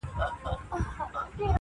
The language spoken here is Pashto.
دا ارزانه افغانان چي سره ګران سي-